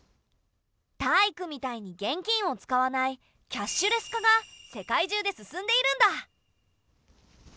タイイクみたいに現金を使わないキャッシュレス化が世界中で進んでいるんだ。